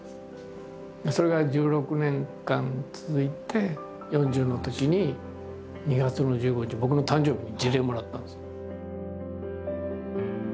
それが１６年間続いて４０のときに２月の１５日僕の誕生日に辞令をもらったんですよ。